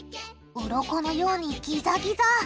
うろこのようにギザギザ！